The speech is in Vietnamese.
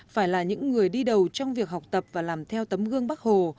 phải là những người đi đầu trong việc học tập và làm theo tấm gương bắc hồ